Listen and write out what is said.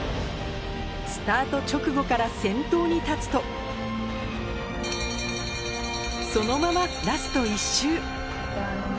スタート直後から先頭に立つとそのままラスト１周